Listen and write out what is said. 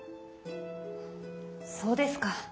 そうですか。